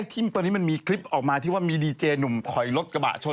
ทิ่มตอนนี้มันมีคลิปออกมาที่ว่ามีดีเจหนุ่มถอยรถกระบะชน